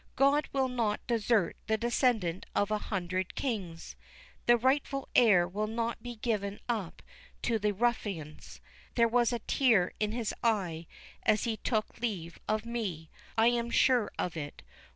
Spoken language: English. God will not desert the descendant of an hundred kings—the rightful heir will not be given up to the ruffians. There was a tear in his eye as he took leave of me—I am sure of it.